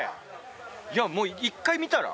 いやもう一回見たら？